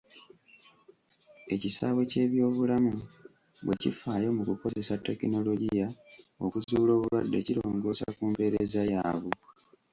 Ekisaawe ky'ebyobulamu bwe kifaayo mu kukozesa tekinologiya okuzuula obulwadde kirongoosa ku mpeereza yaabwe.